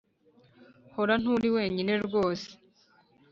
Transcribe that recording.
hora nturi wenyine rwose